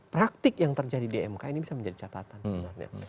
praktik yang terjadi di imk ini bisa menjadi catatan